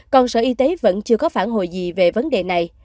còn sở y tế vẫn chưa có phản hồi gì về vấn đề này